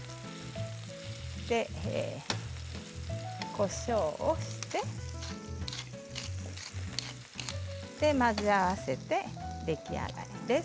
こしょうをして混ぜ合わせて出来上がりです。